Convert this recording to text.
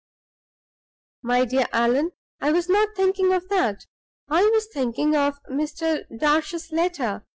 "My dear Allan, I was not thinking of that; I was thinking of Mr. Darch's letter.